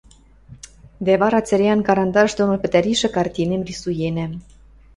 дӓ вара цӹреӓн карандаш доно пӹтӓришӹ картинем рисуенӓм.